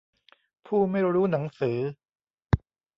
ผู้ไม่รู้หนังสือ